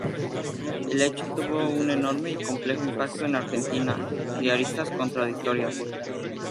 El hecho tuvo un enorme y complejo impacto en Argentina, de aristas contradictorias.